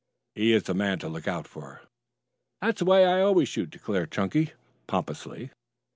He is the man to look out for." "That's the way I always shoot," declared Chunky pompously.